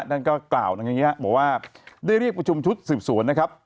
นั่นก็กล่าวนะครับบอกว่าได้เรียกประชุมชุดสืบสวนนะครับ